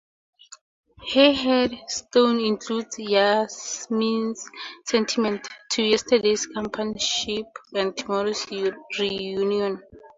Her headstone includes Yasmin's sentiment: To yesterday's companionship and tomorrow's reunion.